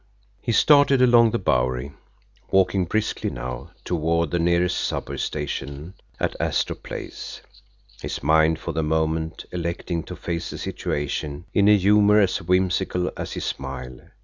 He started along the Bowery, walking briskly now, toward the nearest subway station, at Astor Place, his mind for the moment electing to face the situation in a humour as whimsical as his smile.